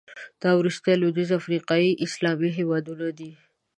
دا وروستی لوېدیځ افریقایي اسلامي هېواد دی.